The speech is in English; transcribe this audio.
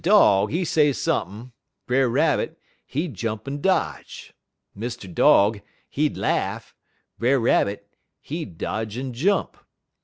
Dog, he'd say sump'n', Brer Rabbit, he'd jump en dodge. Mr. Dog, he'd laugh, Brer Rabbit, he'd dodge en jump.